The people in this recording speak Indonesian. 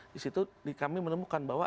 di situ kami menemukan bahwa